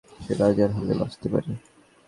সে রাজার হালে বাঁচতে পারে।